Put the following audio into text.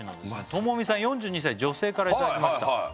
ともみさん４２歳女性からいただきました